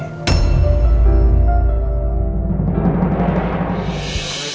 kau bisa lihat